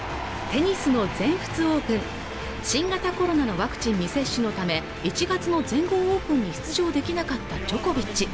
テニスの全仏オープン新型コロナのワクチン未接種のため１月の全豪オープンに出場できなかったジョコビッチ